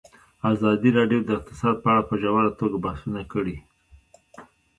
ازادي راډیو د اقتصاد په اړه په ژوره توګه بحثونه کړي.